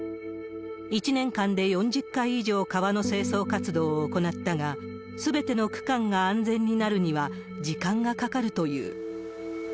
１年間で４０回以上川の清掃活動を行ったが、すべての区間が安全になるには時間がかかるという。